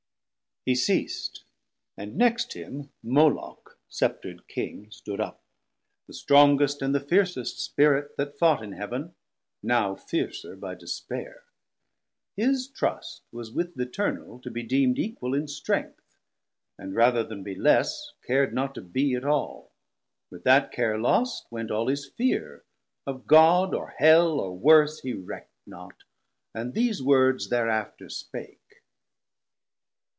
He ceas'd, and next him Moloc, Scepter'd King Stood up, the strongest and the fiercest Spirit That fought in Heav'n; now fiercer by despair: His trust was with th' Eternal to be deem'd Equal in strength, and rather then be less Car'd not to be at all; with that care lost Went all his fear: of God, or Hell, or worse He reckd not, and these words thereafter spake.